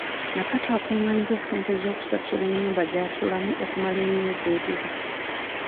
Nakato akungaanyizza ssente z'okusasula ennyumba gy'asulamu okumala emyezi ebiri.